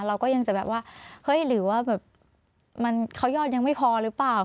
เราก็ยังจะแบบว่าเฮ้ยหรือว่าแบบเขายอดยังไม่พอหรือเปล่า